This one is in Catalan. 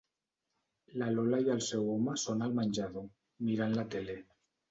La Lola i el seu home són al menjador, mirant la tele.